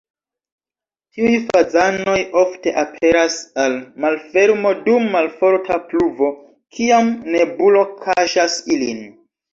Tiuj fazanoj ofte aperas al malfermo dum malforta pluvo, kiam nebulo kaŝas ilin.